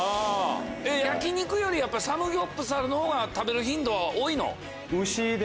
焼き肉よりサムギョプサルのほうが食べる頻度は多いの？